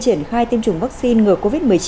triển khai tiêm chủng vaccine ngừa covid một mươi chín